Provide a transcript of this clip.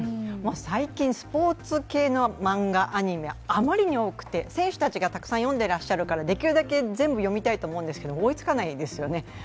最近、スポーツ系の漫画、アニメ、あまりに多くて選手たちがたくさん読んでらっしゃるからできるだけ全部読みたいと思うんですが、追いつかないですよね。